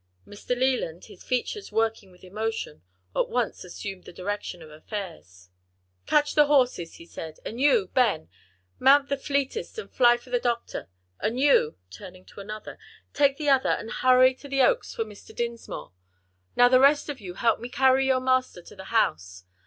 Mr. Leland, his features working with emotion, at once assumed the direction of affairs. "Catch the horses," he said, "and you, Ben, mount the fleetest and fly for the doctor. And you," turning to another, "take the other and hurry to the Oaks for Mr. Dinsmore. Now the rest of you help me to carry your master to the house.